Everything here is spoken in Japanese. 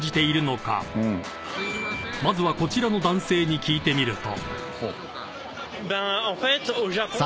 ［まずはこちらの男性に聞いてみると］